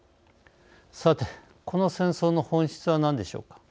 さてこの戦争の本質は何でしょうか。